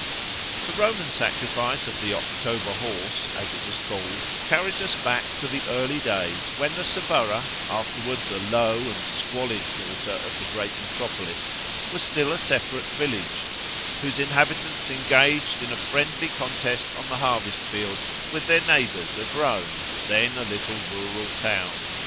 The Roman sacrifice of the October horse, as it was called, carries us back to the early days when the Subura, afterwards a low and squalid quarter of the great metropolis, was still a separate village, whose inhabitants engaged in a friendly contest on the harvest field with their neighbours of Rome, then a little rural town.